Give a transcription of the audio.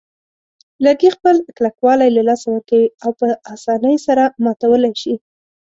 لرګي خپل کلکوالی له لاسه ورکوي او په آسانۍ سره ماتولای شي.